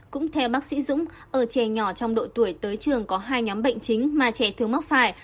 cũng theo bác sĩ dũng ở trẻ nhỏ trong độ tuổi tới trường có hai nhóm bệnh chính mà trẻ thường mắc phải